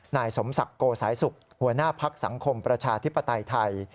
นายสมศักดิ์โกสายสุขหัวหน้าพักสังคมประชาธิปไตยไทย